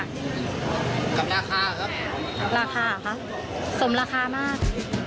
กับราคาครับราคาคะสมราคามาก